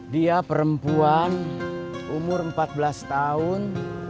dia perempuan umur empat belas tahun